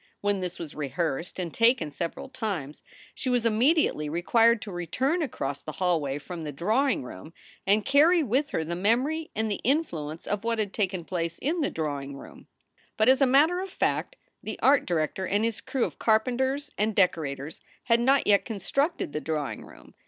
When this was rehearsed and taken several times, she was imme diately required to return across the hallway from the draw ing room and carry with her the memory and the influence of what had taken place in the drawing room. But, as a matter of fact, the art director and his crew of carpenters and decorators had not yet constructed the drawing room.